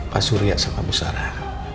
pak surya sama bu sarah